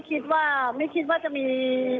ก็ไม่คิดว่าจะมี